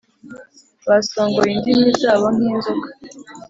Basongoye indimi zabo nk inzoka